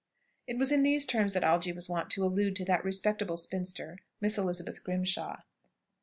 It was in these terms that Algy was wont to allude to that respectable spinster, Miss Elizabeth Grimshaw.